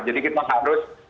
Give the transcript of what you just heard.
jadi kita harus